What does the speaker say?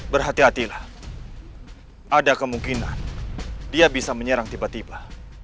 berhati hatilah ada kemungkinan dia bisa menyerang tiba tiba